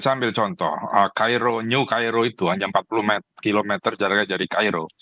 saya ambil contoh new cairo itu hanya empat puluh km jaraknya dari cairo